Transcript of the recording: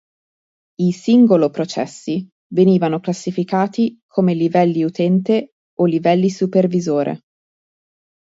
I singolo processi venivano classificati come livelli utente o livelli supervisore.